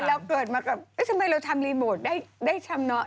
เราเกิดมากับเอ๊ะทำไมเราทำรีโมทได้ชำนาญ